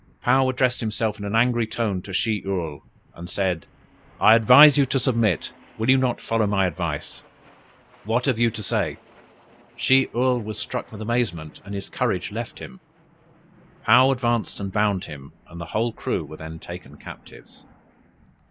Paou addressed himself in an angry tone to Shih Url, and said: 'I advise you to submit: will you not follow my advice? what have you to say?' Shih Url was struck with amazement, and his courage left him. Paou advanced and bound him, and the whole crew were then taken captives."